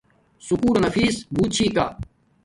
سکُول لنا فیس بوت چھی کا